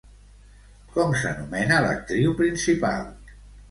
Com s'anomena l'actriu principal?